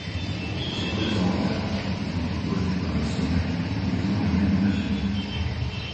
Ces deux angles étant opposés par le sommet, ils ont la même mesure.